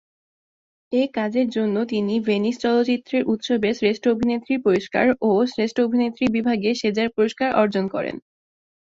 এই কাজের জন্য তিনি ভেনিস চলচ্চিত্র উৎসবের শ্রেষ্ঠ অভিনেত্রীর পুরস্কার ও শ্রেষ্ঠ অভিনেত্রী বিভাগে সেজার পুরস্কার অর্জন করেন।